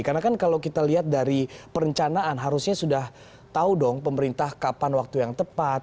karena kan kalau kita lihat dari perencanaan harusnya sudah tahu dong pemerintah kapan waktu yang tepat